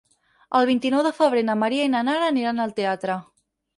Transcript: El vint-i-nou de febrer na Maria i na Nara aniran al teatre.